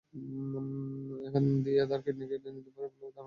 এখান দিয়েই তারা কিডনি কেটে নিতে পারে বলে ধারণা করা হচ্ছে।